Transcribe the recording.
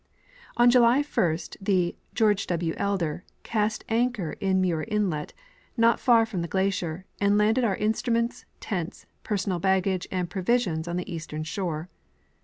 On July 1st the George W. Elder cast anchor in Muir inlet, not far from the glacier, and landed our instruments, tents, personal baggage, and provisions on the eastern shore.